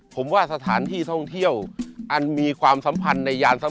ผมว่าสถานที่ท่องเที่ยวอันมีความสัมพันธ์ในยานซ้ำ